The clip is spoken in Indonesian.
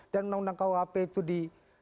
dan undang undang khuap itu di